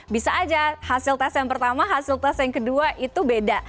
bisa aja hasil tes yang pertama hasil tes yang kedua itu beda